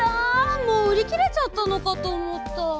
もううりきれちゃったのかとおもった。